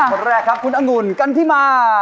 คนแรกครับคุณอังุ่นกันที่มา